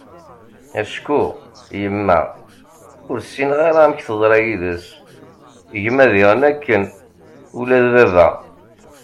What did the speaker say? acku yemma ur ssineγ amek teḍṛa yid-s, gma diγen akken, ula d baba